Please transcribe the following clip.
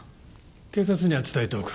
警察には伝えておく。